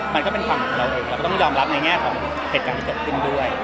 มันก็เป็นความของเราเองเราก็ต้องยอมรับในแง่ของเหตุการณ์ที่เกิดขึ้นด้วย